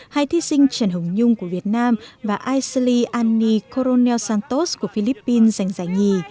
hai thi sinh trần hồng nhung của việt nam và aisley annie coronel santos của philippines giành giải nhì